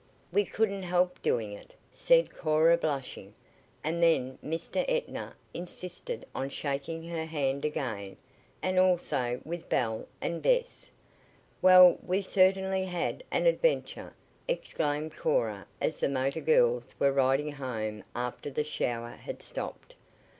"We couldn't help doing it," said Cora, blushing, and then Mr. Ettner insisted on shaking her hand again, and also with Belle and Bess. "Well, we certainly had an adventure!" exclaimed Cora as the motor girls were riding home after the shower had stopped.